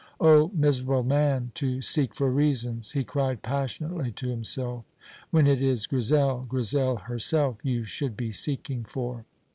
"Oh, miserable man, to seek for reasons," he cried passionately to himself, "when it is Grizel Grizel herself you should be seeking for!"